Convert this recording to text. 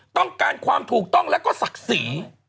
ต้องการความถูกต้องแล้วก็ศักดิ์ศรี